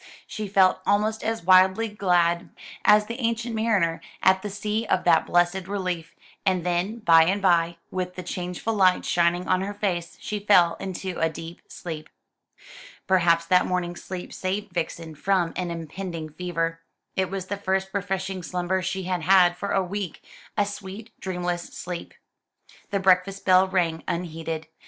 She felt almost as wildly glad as the Ancient Mariner, at the idea of that blessed relief; and then, by and by, with the changeful light shining on her face, she fell into a deep sleep. Perhaps that morning sleep saved Vixen from an impending fever. It was the first refreshing slumber she had had for a week a sweet dreamless sleep. The breakfast bell rang unheeded.